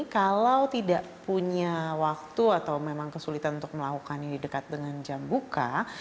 kalau tidak punya waktu atau memang kesulitan untuk melakukannya di dekat dengan jam buka